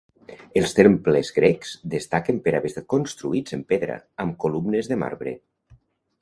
Els temples grecs destaquen per haver estat construïts en pedra, amb columnes de marbre.